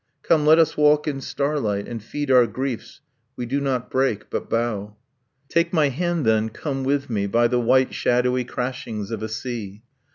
Come, let us walk in starlight, And feed our griefs: we do not break, but bow. Take my hand, then, come with me By the white shadowy crashings of a sea .